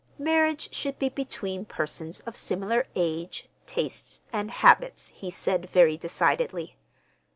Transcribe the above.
Marriage should be between persons of similar age, tastes, and habits, he said very decidedly.